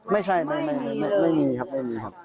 ไม่ใช่ไม่มีครับ